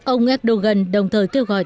ông erdogan đồng thời kêu gọi